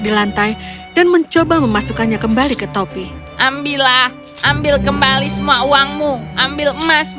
di lantai dan mencoba memasukkannya kembali ke tadi ambillah ambil kembali semua uangmu ambil kelas tem lima puluh satu